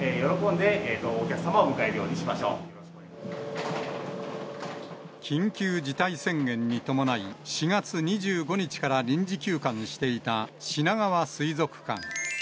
再開を、みんなで喜んでお客緊急事態宣言に伴い、４月２５日から臨時休館していたしながわ水族館。